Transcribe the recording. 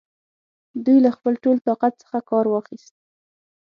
دوی له خپل ټول طاقت څخه کار واخیست.